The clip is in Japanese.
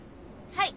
はい。